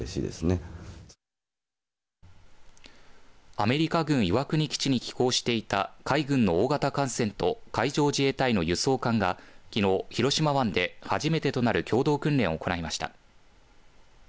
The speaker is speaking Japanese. アメリカ軍岩国基地に寄港していた海軍の大型艦船と海上自衛隊の輸送艦がきのう広島湾で初めてとなる共同訓練を行いました。